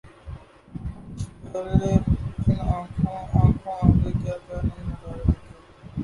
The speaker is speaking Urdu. کچھ پہلے ان آنکھوں آگے کیا کیا نہ نظارا گزرے تھا